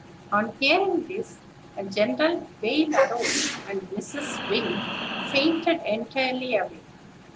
'" On hearing this a general wail arose, and Mrs. Wing fainted entirely away.